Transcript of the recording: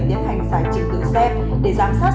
tiến hành giải trình tử xét để giám sát